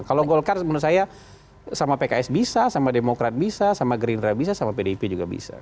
kalau golkar menurut saya sama pks bisa sama demokrat bisa sama gerindra bisa sama pdip juga bisa